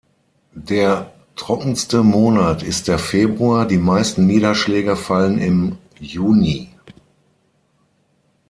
Der trockenste Monat ist der Februar, die meisten Niederschläge fallen im Juni.